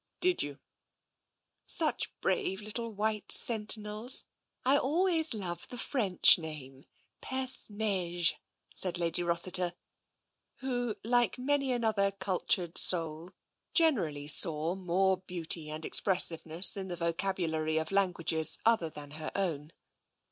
'* Did you?" Such brave little white sentinels! I always love the French name — perce neige/' said Lady Rossiter, who, like many another cultured soul, generally saw more beauty and expressiveness in the vocabulary of languages other than her own.